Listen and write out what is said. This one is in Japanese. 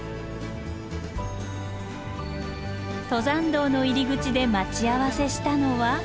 登山道の入り口で待ち合わせしたのは。